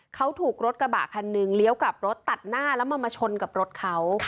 เขาถูกรถกระบะคันหนึ่งเลี้ยวกลับรถตัดหน้าแล้วมาชนกับรถเขา